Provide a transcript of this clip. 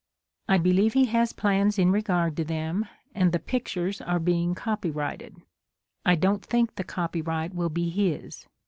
I believe he has plans in regard to them, and the pictures are being copyrighted. I don't think the copyright will be his.